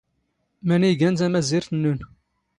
ⵎⴰⵏⵉ ⵉⴳⴰⵏ ⵜⴰⵎⴰⵣⵉⵔⵜ ⵏⵏⵓⵏ?